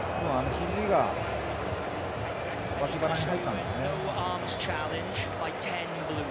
ひじが脇腹に入ったんですね。